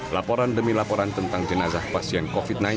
laporan demi laporan tentang jenazah pasien covid sembilan belas